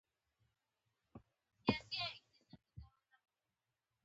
لومړۍ لار یې د متخصصانو په کار ګومارل وو